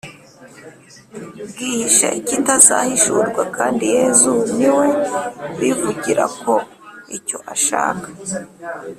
gihishe kitazahishurwa, kandi yezu niwe wivugira ko icyo ashaka